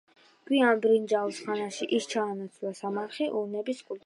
გვიან ბრინჯაოს ხანაში ის ჩაანაცვლა სამარხი ურნების კულტურამ.